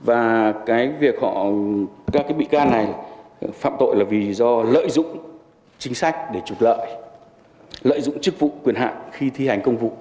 và cái việc các cái bị can này phạm tội là vì do lợi dụng chính sách để trục lợi lợi dụng chức vụ quyền hạn khi thi hành công vụ